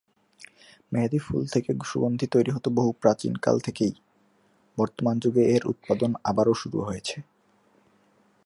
মেহেদি ফুল থেকে সুগন্ধী তৈরি হতো বহু প্রাচীনকাল থেকেই, বর্তমান যুগে এর উৎপাদন আবার শুরু হয়েছে।